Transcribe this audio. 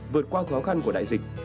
vượt qua khó khăn của đại dịch